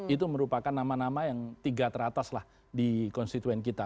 itu merupakan nama nama yang tiga teratas lah di konstituen kita